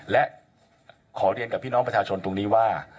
และขอเรียนกับพี่น้องประชาชนตรงนี้ว่า